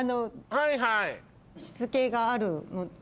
はいはい。